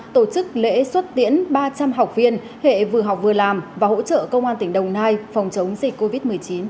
tổ chức lễ xuất tiễn ba trăm linh học viên hệ vừa học vừa làm và hỗ trợ công an tỉnh đồng nai phòng chống dịch covid một mươi chín